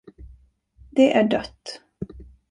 Det är dött.